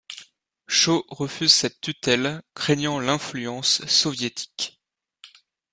Cho refuse cette tutelle, craignant l'influence soviétique.